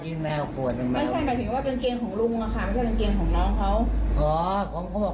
ขอเยี่ยวหน่อยแล้วกันนะเขาบอก